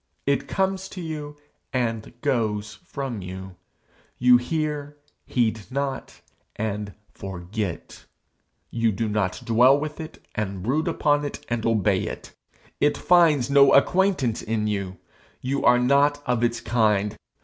It comes to you and goes from you. You hear, heed not, and forget. You do not dwell with it, and brood upon it, and obey it. It finds no acquaintance in you. You are not of its kind.